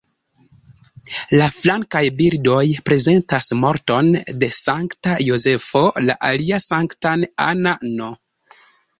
La flankaj bildoj prezentas morton de Sankta Jozefo, la alia Sanktan Anna-n.